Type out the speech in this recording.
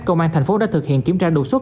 công an tp hcm đã thực hiện kiểm tra đột xuất